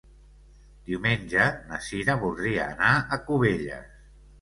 Diumenge na Cira voldria anar a Cubelles.